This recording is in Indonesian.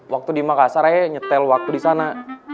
waktu di makassar eh nyetel waktu di sana